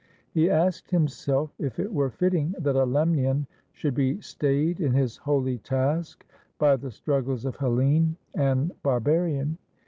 He asked himself if it were fitting that a Lemnian should be stayed in his holy task by the struggles of Hellene and barbarian.